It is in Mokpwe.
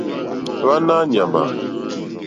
Hwánáá ɲàmà.